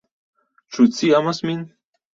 Ĉu ci amas min?